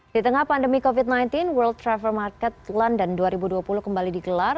di tengah pandemi covid sembilan belas world travel market london dua ribu dua puluh kembali digelar